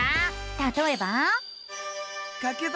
たとえば。